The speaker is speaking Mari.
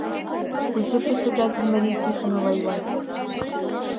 Кузе председатель, Мария Тихоновна илат?